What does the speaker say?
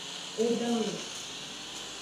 E dan lon.